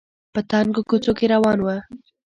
په تنګو کوڅو کې روان و